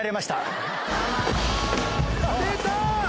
出た！